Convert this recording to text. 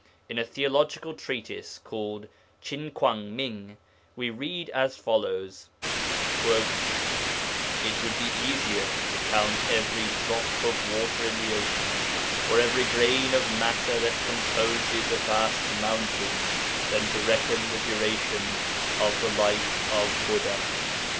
In a theological treatise called Chin kuang ming we read as follows: 'It would be easier to count every drop of water in the ocean, or every grain of matter that composes a vast mountain than to reckon the duration of the life of Buddha.'